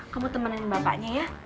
kamu temenin bapaknya ya